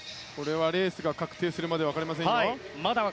レースが確定するまで分かりません。